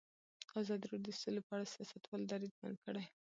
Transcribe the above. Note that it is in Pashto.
ازادي راډیو د سوله په اړه د سیاستوالو دریځ بیان کړی.